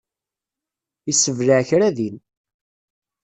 Yessebleɛ kra din.